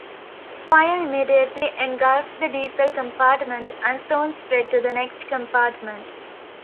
Fire immediately engulfed the diesel compartment, and soon spread to the next compartment.